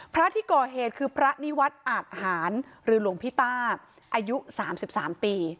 พระที่ก่อเหตุคือพระนิวัตอาจหารหรือหลวงพิตาอายุสามสิบสามปี